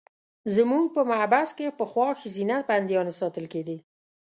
زموږ په محبس کې پخوا ښځینه بندیانې ساتل کېدې.